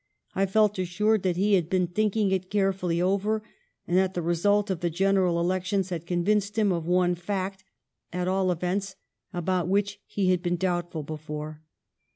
I felt assured that he had been thinking it carefully over, and that the result of the general elections had convinced him of one fact, at all events, about which he had been doubtful before.